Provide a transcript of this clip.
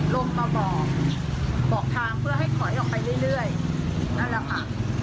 ลงมาบอกบอกทางเพื่อให้ถอยออกไปเรื่อยนั่นแหละค่ะ